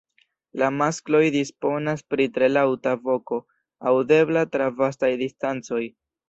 La maskloj disponas pri tre laŭta voko, aŭdebla tra vastaj distancoj.